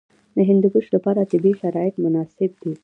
د هندوکش لپاره طبیعي شرایط مناسب دي.